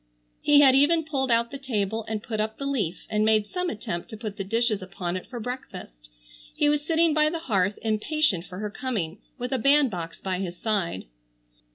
He had even pulled out the table and put up the leaf, and made some attempt to put the dishes upon it for breakfast. He was sitting by the hearth impatient for her coming, with a bandbox by his side.